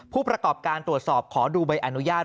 ผู้ประกอบการตรวจสอบขอดูใบอนุญาต